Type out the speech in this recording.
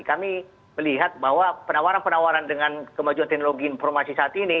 kami melihat bahwa penawaran penawaran dengan kemajuan teknologi informasi saat ini